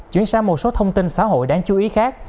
chuyển sang một số thông tin xã hội đáng chú ý khác